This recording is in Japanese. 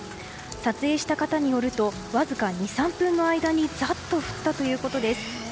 撮影した方によるとわずか２３分の間にざっと降ったということです。